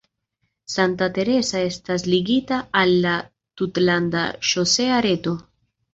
Santa Teresa estas ligita al la tutlanda ŝosea reto.